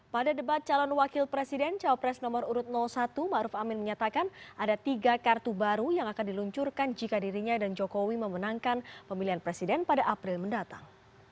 pada debat calon wakil presiden cawapres nomor urut satu ⁇ maruf ⁇ amin menyatakan ada tiga kartu baru yang akan diluncurkan jika dirinya dan jokowi memenangkan pemilihan presiden pada april mendatang